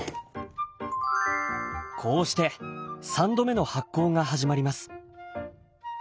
こうして３度目の発酵が始まります。